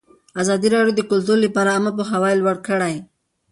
ازادي راډیو د کلتور لپاره عامه پوهاوي لوړ کړی.